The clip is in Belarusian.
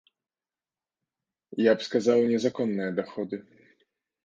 Я б сказаў, незаконныя даходы.